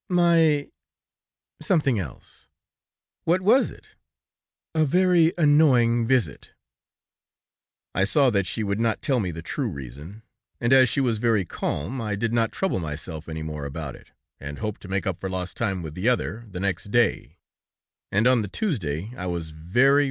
"My ... something else." "What was it? "A very annoying visit." "I saw that she would not tell me the true reason, and as she was very calm, I did not trouble myself any more about it, and hoped to make up for lost time with the other, the next day, and on the Tuesday, I was very